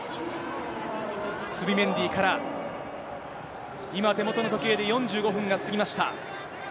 スビメンディから、今、手元の時計で４５分が過ぎました。